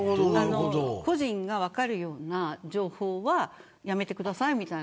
個人が分かるような情報はやめてくださいみたいな。